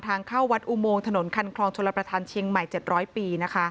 ทางเข้าวัดอุโมงถนนคันคลองชลประธานเชียงใหม่๗๐๐ปี